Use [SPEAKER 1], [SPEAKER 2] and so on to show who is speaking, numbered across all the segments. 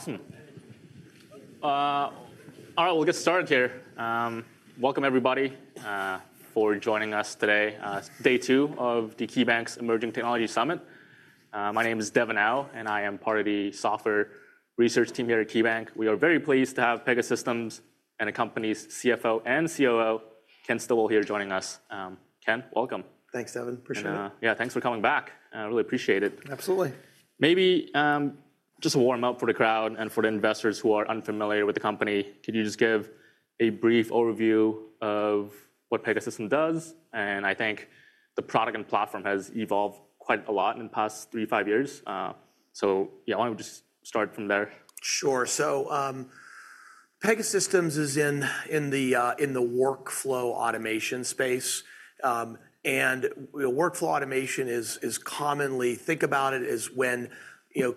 [SPEAKER 1] Awesome. All right, we'll get started here. Welcome, everybody, for joining us today, day two of the KeyBank's Emerging Technology Summit. My name is Devon Au, and I am part of the software research team here at KeyBank. We are very pleased to have Pegasystems and the company's CFO and COO, Ken Stillwell, here joining us. Ken, welcome.
[SPEAKER 2] Thanks, Devon. Appreciate it.
[SPEAKER 1] Yeah, thanks for coming back. I really appreciate it.
[SPEAKER 2] Absolutely.
[SPEAKER 1] Maybe just a warm-up for the crowd and for the investors who are unfamiliar with the company, could you just give a brief overview of what Pegasystems does? And I think the product and platform has evolved quite a lot in the past three, five years. So yeah, why don't we just start from there?
[SPEAKER 2] Sure. So Pegasystems is in the workflow automation space. And workflow automation is commonly think about it as when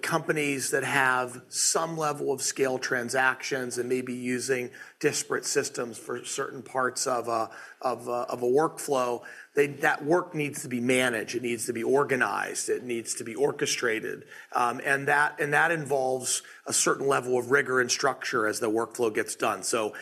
[SPEAKER 2] companies that have some level of scale transactions and may be using disparate systems for certain parts of a workflow, that work needs to be managed. It needs to be organized. It needs to be orchestrated. And that involves a certain level of rigor and structure as the workflow gets done. So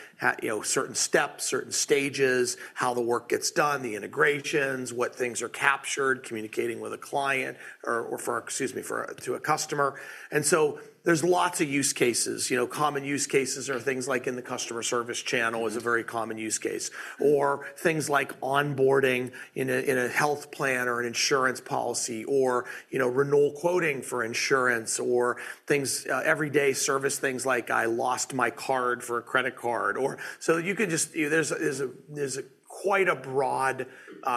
[SPEAKER 2] certain steps, certain stages, how the work gets done, the integrations, what things are captured, communicating with a client or, excuse me, to a customer. And so there's lots of use cases. Common use cases are things like in the customer service channel is a very common use case. Or things like onboarding in a health plan or an insurance policy or renewal quoting for insurance or things everyday service things like, I lost my card for a credit card. So you can just. There's quite a broad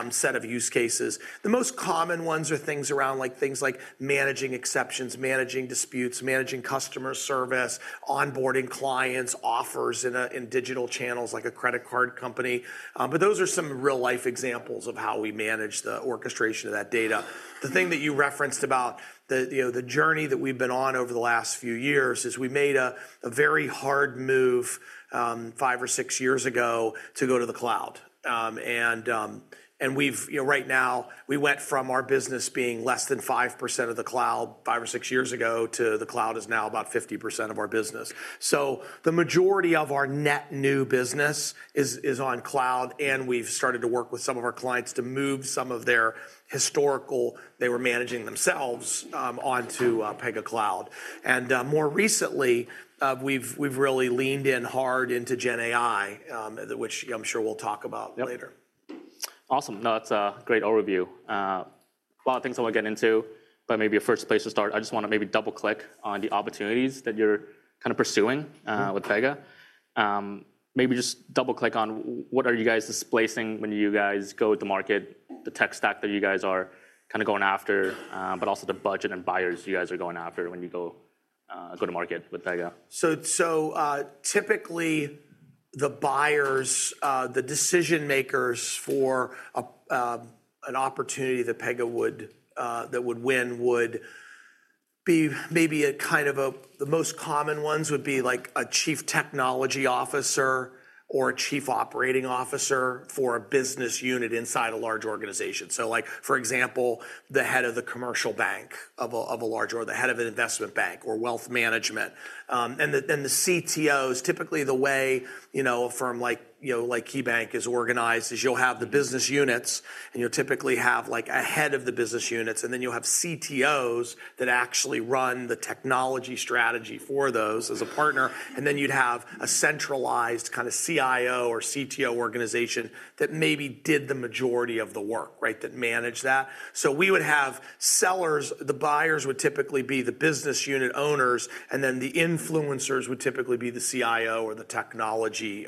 [SPEAKER 2] set of use cases. The most common ones are things around like things like managing exceptions, managing disputes, managing customer service, onboarding clients, offers in digital channels like a credit card company. But those are some real-life examples of how we manage the orchestration of that data. The thing that you referenced about the journey that we've been on over the last few years is we made a very hard move five or six years ago to go to the cloud, and right now, we went from our business being less than 5% of the cloud five or six years ago to the cloud is now about 50% of our business. So the majority of our net new business is on cloud. And we've started to work with some of our clients to move some of their historical they were managing themselves onto Pega Cloud. And more recently, we've really leaned in hard into Gen AI, which I'm sure we'll talk about later.
[SPEAKER 1] Awesome. No, that's a great overview. A lot of things I want to get into, but maybe a first place to start, I just want to maybe double-click on the opportunities that you're kind of pursuing with Pega. Maybe just double-click on what are you guys displacing when you guys go to market, the tech stack that you guys are kind of going after, but also the budget and buyers you guys are going after when you go to market with Pega.
[SPEAKER 2] So typically, the buyers, the decision makers for an opportunity that Pega would win would be maybe a kind of the most common ones would be like a Chief Technology Officer or a Chief Operating Officer for a business unit inside a large organization. So for example, the head of the commercial bank of a large or the head of an investment bank or wealth management. And the CTOs, typically the way a firm like KeyBank is organized is you'll have the business units, and you'll typically have a head of the business units, and then you'll have CTOs that actually run the technology strategy for those as a partner. And then you'd have a centralized kind of CIO or CTO organization that maybe did the majority of the work, right, that managed that. So we would have sellers, the buyers would typically be the business unit owners, and then the influencers would typically be the CIO or the technology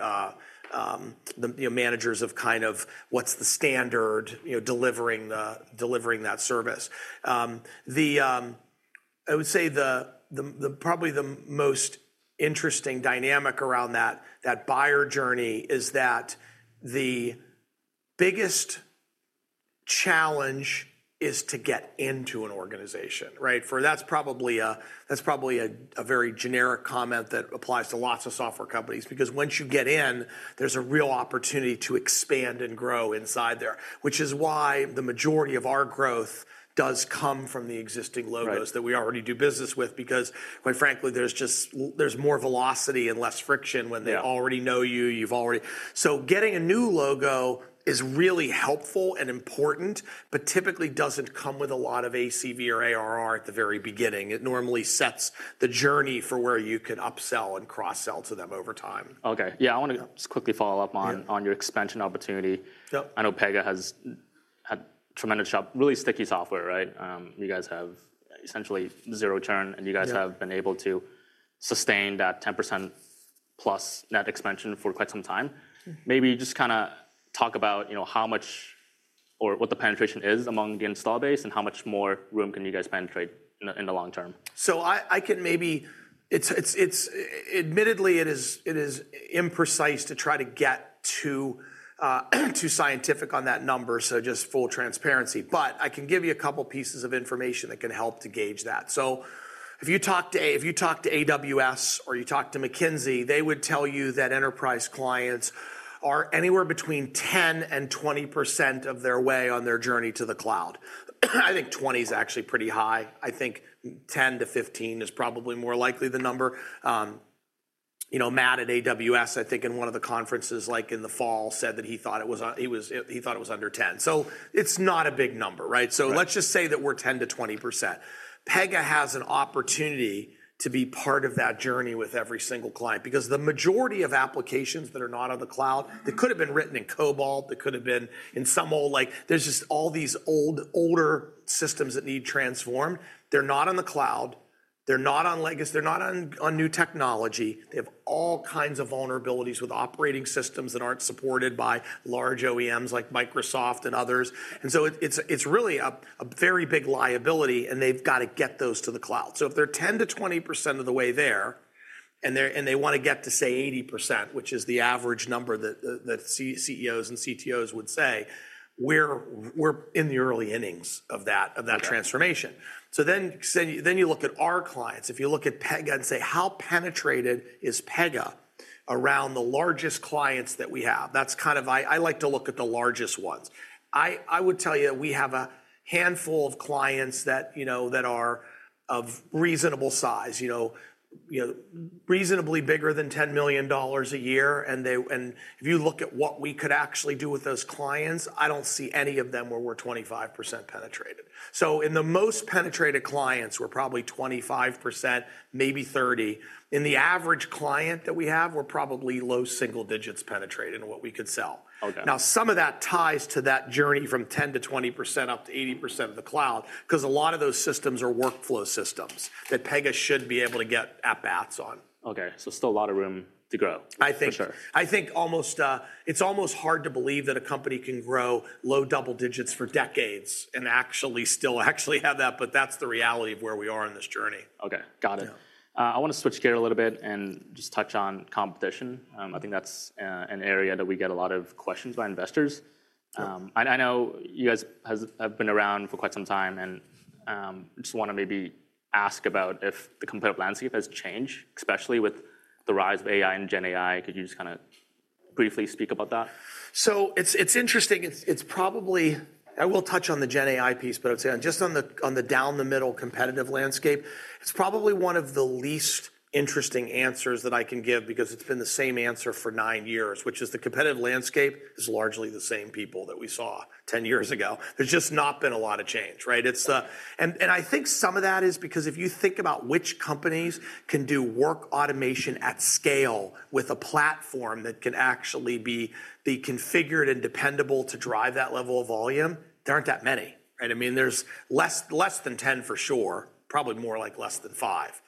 [SPEAKER 2] managers of kind of what's the standard delivering that service. I would say probably the most interesting dynamic around that buyer journey is that the biggest challenge is to get into an organization, right? That's probably a very generic comment that applies to lots of software companies because once you get in, there's a real opportunity to expand and grow inside there, which is why the majority of our growth does come from the existing logos that we already do business with because, quite frankly, there's more velocity and less friction when they already know you. So getting a new logo is really helpful and important, but typically doesn't come with a lot of ACV or ARR at the very beginning. It normally sets the journey for where you can upsell and cross-sell to them over time.
[SPEAKER 1] Okay. Yeah, I want to just quickly follow up on your expansion opportunity. I know Pega has had tremendous growth, really sticky software, right? You guys have essentially zero churn, and you guys have been able to sustain that 10% plus net expansion for quite some time. Maybe just kind of talk about how much or what the penetration is among the install base and how much more room can you guys penetrate in the long term?
[SPEAKER 2] So I can maybe admittedly it is imprecise to try to get too scientific on that number, so just full transparency. But I can give you a couple pieces of information that can help to gauge that. So if you talk to AWS or you talk to McKinsey, they would tell you that enterprise clients are anywhere between 10% and 20% of their way on their journey to the cloud. I think 20% is actually pretty high. I think 10%-15% is probably more likely the number. Matt at AWS, I think in one of the conferences like in the fall, said that he thought it was he thought it was under 10%. So it's not a big number, right? So let's just say that we're 10%-20%. Pega has an opportunity to be part of that journey with every single client because the majority of applications that are not on the cloud, that could have been written in COBOL, that could have been in some old like there's just all these older systems that need transformed. They're not on the cloud. They're not on legacy. They're not on new technology. They have all kinds of vulnerabilities with operating systems that aren't supported by large OEMs like Microsoft and others. And so it's really a very big liability, and they've got to get those to the cloud. So if they're 10%-20% of the way there and they want to get to, say, 80%, which is the average number that CEOs and CTOs would say, we're in the early innings of that transformation. So then you look at our clients. If you look at Pega and say, how penetrated is Pega around the largest clients that we have? That's kind of, I like to look at the largest ones. I would tell you we have a handful of clients that are of reasonable size, reasonably bigger than $10 million a year. And if you look at what we could actually do with those clients, I don't see any of them where we're 25% penetrated. So in the most penetrated clients, we're probably 25%, maybe 30%. In the average client that we have, we're probably low single digits penetrated in what we could sell. Now, some of that ties to that journey from 10% to 20% up to 80% of the cloud because a lot of those systems are workflow systems that Pega should be able to get at bats on.
[SPEAKER 1] OK, so still a lot of room to grow.
[SPEAKER 2] I think it's almost hard to believe that a company can grow low double digits for decades and actually still have that, but that's the reality of where we are in this journey.
[SPEAKER 1] OK. Got it. I want to switch gears a little bit and just touch on competition. I think that's an area that we get a lot of questions by investors. I know you guys have been around for quite some time, and I just want to maybe ask about if the competitive landscape has changed, especially with the rise of AI and Gen AI. Could you just kind of briefly speak about that?
[SPEAKER 2] So it's interesting. I will touch on the Gen AI piece, but I would say just on the down-the-middle competitive landscape, it's probably one of the least interesting answers that I can give because it's been the same answer for nine years, which is the competitive landscape is largely the same people that we saw 10 years ago. There's just not been a lot of change, right? And I think some of that is because if you think about which companies can do work automation at scale with a platform that can actually be configured and dependable to drive that level of volume, there aren't that many. I mean, there's less than 10 for sure, probably more like less than 5.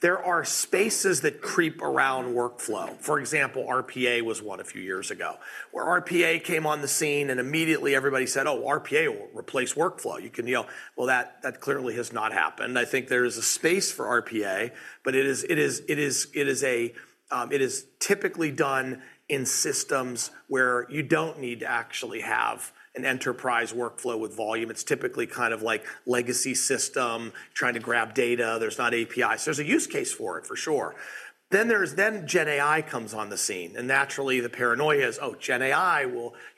[SPEAKER 2] There are spaces that creep around workflow. For example, RPA was one a few years ago where RPA came on the scene, and immediately everybody said, oh, RPA will replace workflow, well, that clearly has not happened. I think there is a space for RPA, but it is typically done in systems where you don't need to actually have an enterprise workflow with volume. It's typically kind of like legacy system trying to grab data. There's not APIs. There's a use case for it, for sure. Then Gen AI comes on the scene, and naturally, the paranoia is, oh, Gen AI,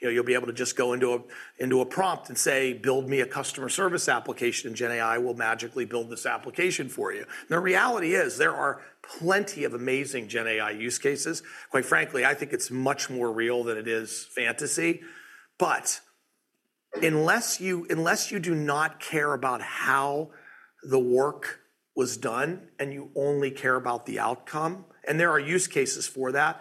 [SPEAKER 2] you'll be able to just go into a prompt and say, build me a customer service application, and Gen AI will magically build this application for you. The reality is there are plenty of amazing Gen AI use cases. Quite frankly, I think it's much more real than it is fantasy. But unless you do not care about how the work was done and you only care about the outcome, and there are use cases for that,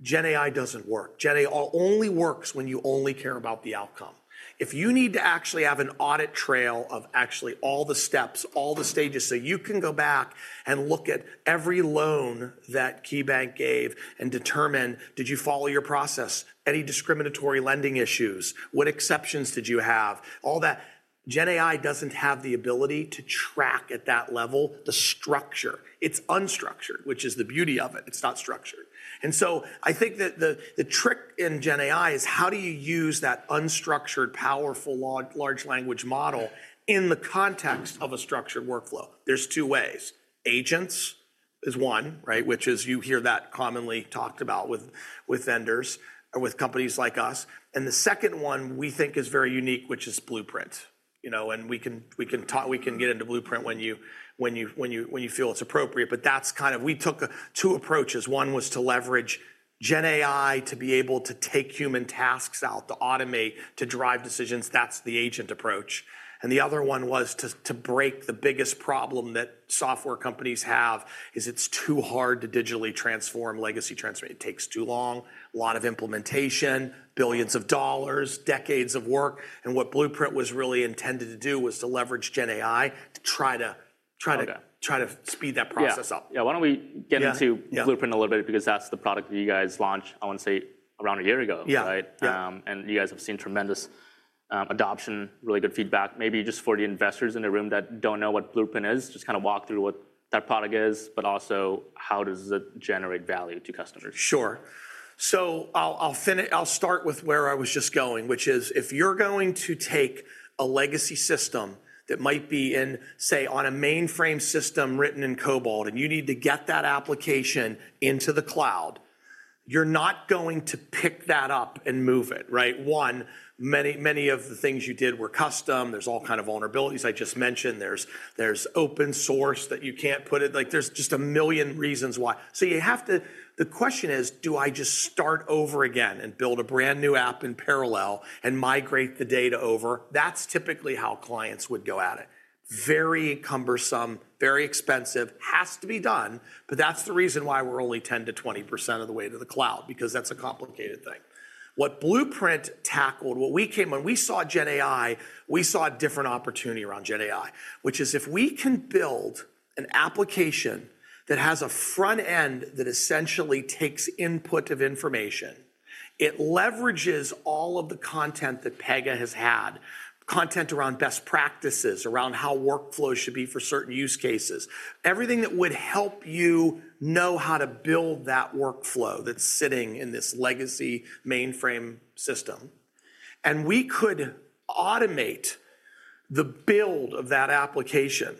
[SPEAKER 2] Gen AI doesn't work. Gen AI only works when you only care about the outcome. If you need to actually have an audit trail of actually all the steps, all the stages, so you can go back and look at every loan that KeyBank gave and determine, did you follow your process? Any discriminatory lending issues? What exceptions did you have? All that Gen AI doesn't have the ability to track at that level the structure. It's unstructured, which is the beauty of it. It's not structured. And so I think that the trick in Gen AI is how do you use that unstructured, powerful, large language model in the context of a structured workflow? There's two ways. Agents is one, which is you hear that commonly talked about with vendors or with companies like us. And the second one we think is very unique, which is Blueprint. And we can get into Blueprint when you feel it's appropriate. But that's kind of we took two approaches. One was to leverage Gen AI to be able to take human tasks out, to automate, to drive decisions. That's the agent approach. And the other one was to break the biggest problem that software companies have is it's too hard to digitally transform legacy transfer. It takes too long, a lot of implementation, billions of dollars, decades of work. And what Blueprint was really intended to do was to leverage Gen AI to try to speed that process up.
[SPEAKER 1] Yeah. Why don't we get into Blueprint a little bit because that's the product that you guys launched, I want to say, around a year ago, right? And you guys have seen tremendous adoption, really good feedback. Maybe just for the investors in the room that don't know what Blueprint is, just kind of walk through what that product is, but also how does it generate value to customers.
[SPEAKER 2] Sure. So I'll start with where I was just going, which is if you're going to take a legacy system that might be in, say, on a mainframe system written in COBOL, and you need to get that application into the cloud, you're not going to pick that up and move it, right? One, many of the things you did were custom. There's all kind of vulnerabilities I just mentioned. There's open source that you can't put it. There's just a million reasons why. So the question is, do I just start over again and build a brand new app in parallel and migrate the data over? That's typically how clients would go at it. Very cumbersome, very expensive, has to be done. But that's the reason why we're only 10%-20% of the way to the cloud because that's a complicated thing. What Blueprint tackled, when we saw Gen AI, we saw a different opportunity around Gen AI, which is if we can build an application that has a front end that essentially takes input of information, it leverages all of the content that Pega has had, content around best practices, around how workflow should be for certain use cases, everything that would help you know how to build that workflow that's sitting in this legacy mainframe system, and we could automate the build of that application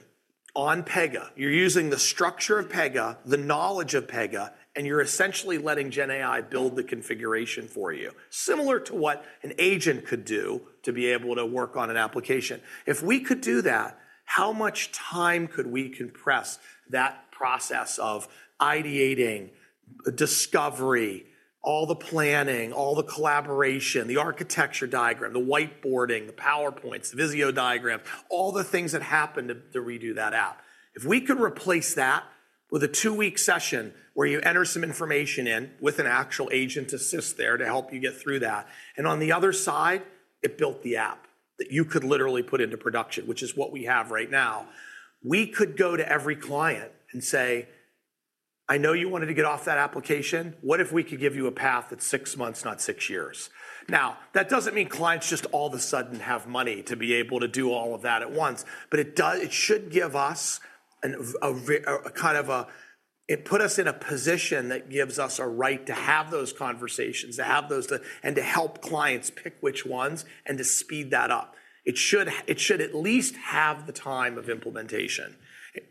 [SPEAKER 2] on Pega. You're using the structure of Pega, the knowledge of Pega, and you're essentially letting Gen AI build the configuration for you, similar to what an agent could do to be able to work on an application. If we could do that, how much time could we compress that process of ideating, discovery, all the planning, all the collaboration, the architecture diagram, the whiteboarding, the PowerPoints, the Visio diagrams, all the things that happened to redo that app? If we could replace that with a two-week session where you enter some information in with an actual agent to assist there to help you get through that, and on the other side, it built the app that you could literally put into production, which is what we have right now, we could go to every client and say, I know you wanted to get off that application. What if we could give you a path that's six months, not six years? Now, that doesn't mean clients just all of a sudden have money to be able to do all of that at once, but it should give us kind of, it put us in a position that gives us a right to have those conversations, to have those and to help clients pick which ones and to speed that up. It should at least have the time of implementation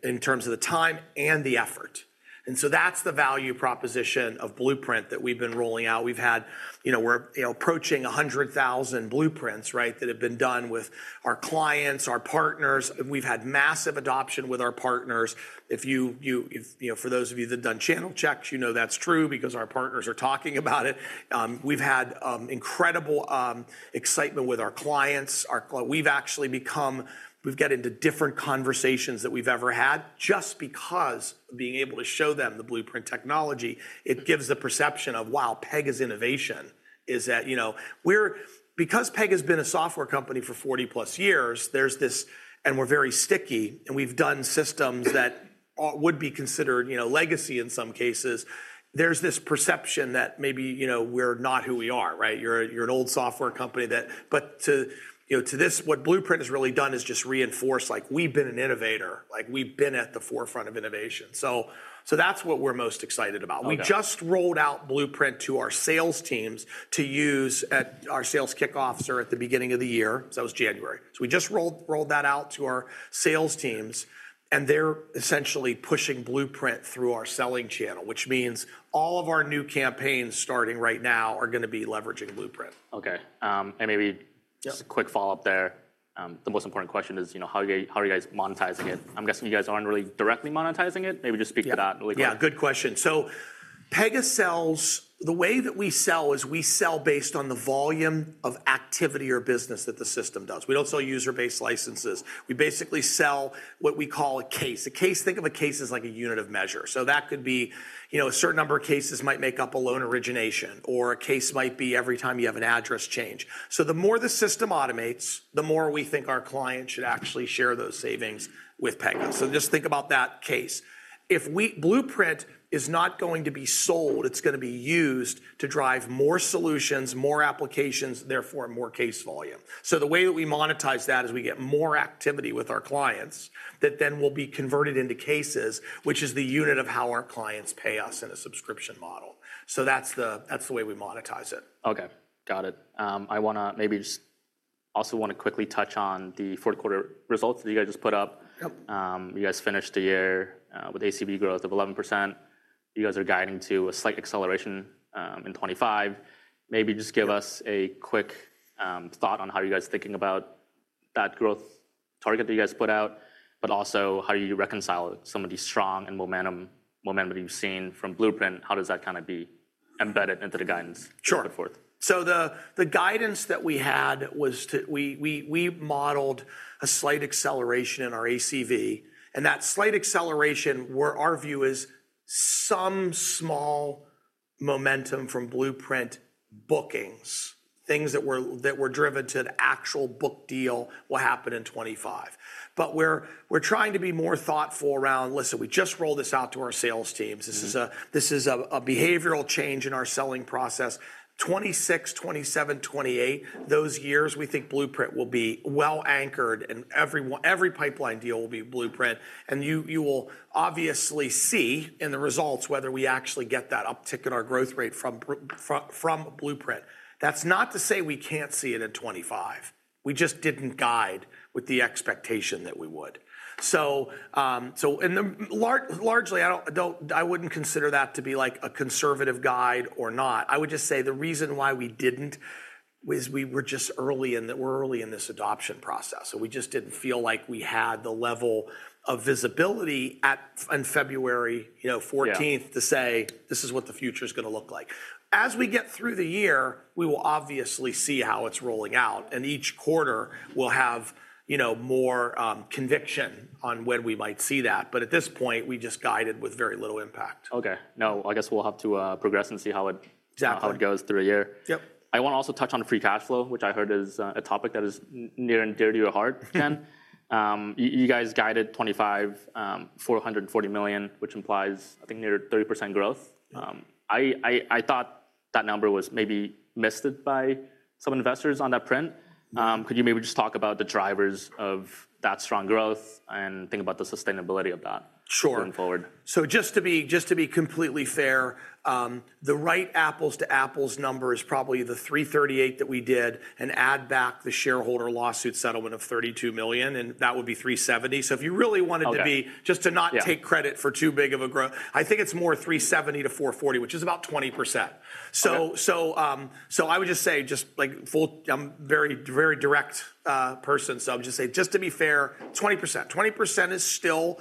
[SPEAKER 2] in terms of the time and the effort. And so that's the value proposition of Blueprint that we've been rolling out. We're approaching 100,000 blueprints that have been done with our clients, our partners. We've had massive adoption with our partners. For those of you that have done channel checks, you know that's true because our partners are talking about it. We've had incredible excitement with our clients. We've actually gotten into different conversations that we've ever had just because of being able to show them the Blueprint technology. It gives the perception of, wow, Pega's innovation is that because Pega has been a software company for 40-plus years, there's this, and we're very sticky, and we've done systems that would be considered legacy in some cases. There's this perception that maybe we're not who we are, right? You're an old software company. But to this, what Blueprint has really done is just reinforce we've been an innovator. We've been at the forefront of innovation. So that's what we're most excited about. We just rolled out Blueprint to our sales teams to use at our sales kickoffs at the beginning of the year. So that was January. So we just rolled that out to our sales teams, and they're essentially pushing Blueprint through our selling channel, which means all of our new campaigns starting right now are going to be leveraging Blueprint.
[SPEAKER 1] OK, and maybe just a quick follow-up there. The most important question is how are you guys monetizing it? I'm guessing you guys aren't really directly monetizing it. Maybe just speak to that.
[SPEAKER 2] Yeah. Good question. So, Pega sells. The way that we sell is we sell based on the volume of activity or business that the system does. We don't sell user-based licenses. We basically sell what we call a case. Think of a case as like a unit of measure. So that could be a certain number of cases might make up a loan origination, or a case might be every time you have an address change. So the more the system automates, the more we think our clients should actually share those savings with Pega. So just think about that case. Blueprint is not going to be sold. It's going to be used to drive more solutions, more applications, therefore more case volume. So the way that we monetize that is we get more activity with our clients that then will be converted into cases, which is the unit of how our clients pay us in a subscription model. So that's the way we monetize it.
[SPEAKER 1] OK. Got it. I want to maybe just also quickly touch on the fourth quarter results that you guys just put up. You guys finished the year with ACV growth of 11%. You guys are guiding to a slight acceleration in 2025. Maybe just give us a quick thought on how you guys are thinking about that growth target that you guys put out, but also how you reconcile some of the strong momentum that you've seen from Blueprint. How does that kind of be embedded into the guidance going forward?
[SPEAKER 2] The guidance that we had was we modeled a slight acceleration in our ACV. And that slight acceleration, our view, is some small momentum from Blueprint bookings. Things that were driven to an actual book deal will happen in 2025. But we're trying to be more thoughtful around, listen, we just rolled this out to our sales teams. This is a behavioral change in our selling process. 2026, 2027, 2028, those years, we think Blueprint will be well anchored, and every pipeline deal will be Blueprint. And you will obviously see in the results whether we actually get that uptick in our growth rate from Blueprint. That's not to say we can't see it in 2025. We just didn't guide with the expectation that we would. Largely, I wouldn't consider that to be like a conservative guide or not. I would just say the reason why we didn't was we were just early in this adoption process. So we just didn't feel like we had the level of visibility in February 14 to say this is what the future is going to look like. As we get through the year, we will obviously see how it's rolling out. And each quarter will have more conviction on when we might see that. But at this point, we just guided with very little impact.
[SPEAKER 1] OK. Now, I guess we'll have to progress and see how it goes through a year.
[SPEAKER 2] Yep.
[SPEAKER 1] I want to also touch on free cash flow, which I heard is a topic that is near and dear to your heart, Ken. You guys guided 2025, $440 million, which implies, I think, near 30% growth. I thought that number was maybe missed by some investors on that print. Could you maybe just talk about the drivers of that strong growth and think about the sustainability of that going forward?
[SPEAKER 2] Just to be completely fair, the right apples-to-apples number is probably the $338 million that we did and add back the shareholder lawsuit settlement of $32 million. And that would be $370 million. So if you really wanted to be just to not take credit for too big of a growth, I think it's more $370 million-$440 million, which is about 20%. So I would just say just like I'm a very direct person. So I'll just say just to be fair, 20%. 20% is still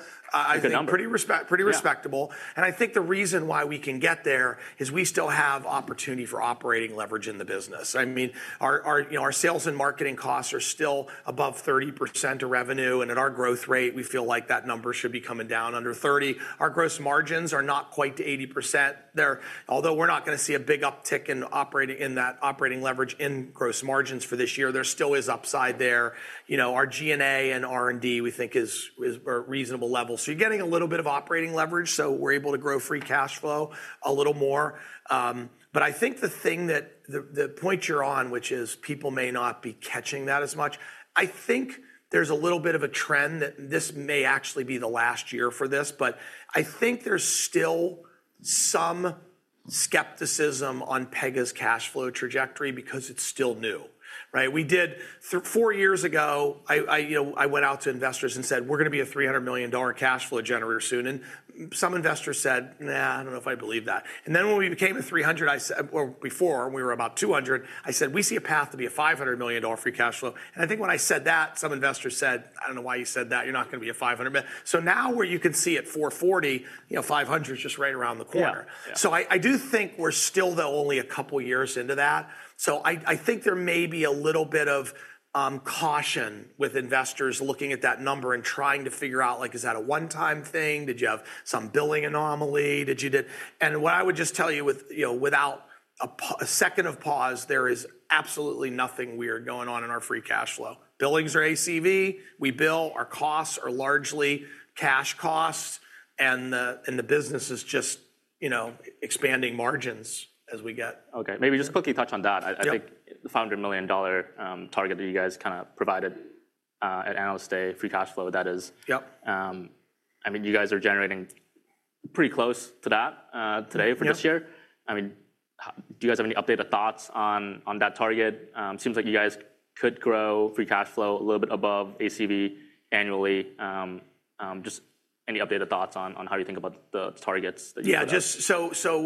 [SPEAKER 2] pretty respectable. And I think the reason why we can get there is we still have opportunity for operating leverage in the business. I mean, our sales and marketing costs are still above 30% of revenue. And at our growth rate, we feel like that number should be coming down under 30%. Our gross margins are not quite to 80%. Although we're not going to see a big uptick in that operating leverage in gross margins for this year, there still is upside there. Our G&A and R&D we think is a reasonable level. So you're getting a little bit of operating leverage. So we're able to grow free cash flow a little more. But I think the thing that the point you're on, which is people may not be catching that as much, I think there's a little bit of a trend that this may actually be the last year for this. But I think there's still some skepticism on Pega's cash flow trajectory because it's still new. We did four years ago, I went out to investors and said, we're going to be a $300 million cash flow generator soon. And some investors said, nah, I don't know if I believe that. And then when we became a 300, or before we were about 200, I said, we see a path to be a $500 million free cash flow. And I think when I said that, some investors said, I don't know why you said that. You're not going to be a 500. So now where you can see it, 440, 500 is just right around the corner. So I do think we're still, though, only a couple of years into that. So I think there may be a little bit of caution with investors looking at that number and trying to figure out, is that a one-time thing? Did you have some billing anomaly? And what I would just tell you, without a second of pause, there is absolutely nothing weird going on in our free cash flow. Billings are ACV. We bill. Our costs are largely cash costs. The business is just expanding margins as we get.
[SPEAKER 1] OK. Maybe just quickly touch on that. I think the $500 million target that you guys kind of provided at analyst day free cash flow, that is, I mean, you guys are generating pretty close to that today for this year. I mean, do you guys have any updated thoughts on that target? Seems like you guys could grow free cash flow a little bit above ACV annually. Just any updated thoughts on how you think about the targets that you have.
[SPEAKER 2] Yeah. So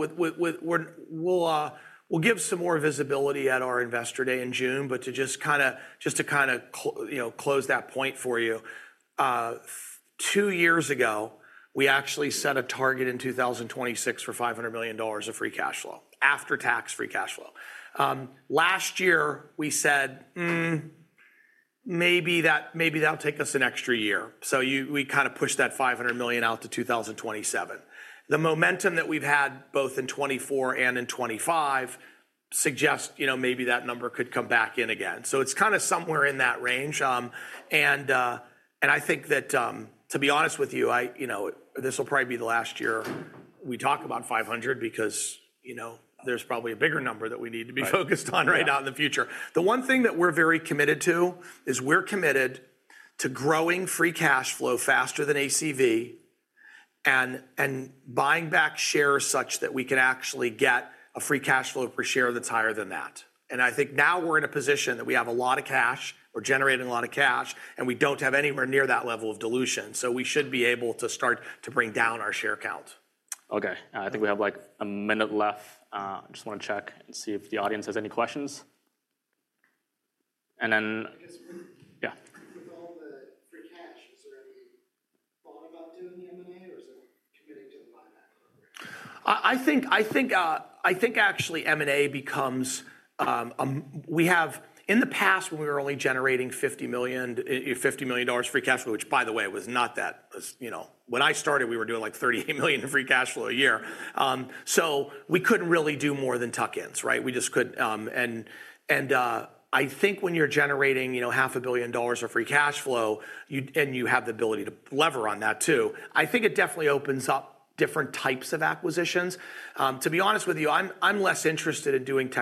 [SPEAKER 2] we'll give some more visibility at our investor day in June. But just to kind of close that point for you, two years ago, we actually set a target in 2026 for $500 million of free cash flow, after-tax free cash flow. Last year, we said, maybe that'll take us an extra year. So we kind of pushed that $500 million out to 2027. The momentum that we've had both in 2024 and in 2025 suggests maybe that number could come back in again. So it's kind of somewhere in that range. And I think that, to be honest with you, this will probably be the last year we talk about $500 because there's probably a bigger number that we need to be focused on right now in the future. The one thing that we're very committed to is we're committed to growing free cash flow faster than ACV and buying back shares such that we can actually get a free cash flow per share that's higher than that, and I think now we're in a position that we have a lot of cash. We're generating a lot of cash, and we don't have anywhere near that level of dilution, so we should be able to start to bring down our share count.
[SPEAKER 1] OK. I think we have like a minute left. I just want to check and see if the audience has any questions. And then, yeah. With all the free cash, is there any thought about doing the M&A or is it committing to the buyback?
[SPEAKER 2] I think actually M&A becomes we have, in the past, when we were only generating $50 million free cash flow, which, by the way, was not that when I started, we were doing like $38 million in free cash flow a year. So we couldn't really do more than tuck-ins, right? And I think when you're generating $500 million of free cash flow, and you have the ability to lever on that too, I think it definitely opens up different types of acquisitions. To be honest with you, I'm less interested in doing.